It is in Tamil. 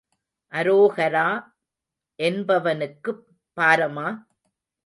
அரோகரா என்பவனுக்குப் பாரமா?